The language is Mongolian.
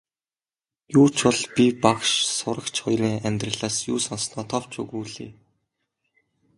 Юу ч бол би багш сурагч хоёрын амьдралаас юу сонссоноо товч өгүүлье.